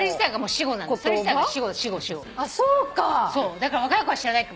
だから若い子は知らない。